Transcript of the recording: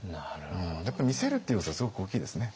やっぱり見せるって要素はすごく大きいですね。